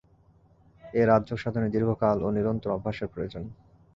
এই রাজযোগ-সাধনে দীর্ঘকাল ও নিরন্তর অভ্যাসের প্রয়োজন।